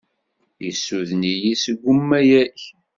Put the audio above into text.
Yessuden-iyi seg umayeg.